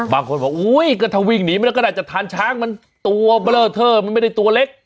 บางคนบอกอุ้ยก็ถ้าวิ่งหนีมันก็น่าจะทานช้างมันตัวเบลอเทอร์มันไม่ได้ตัวเล็ก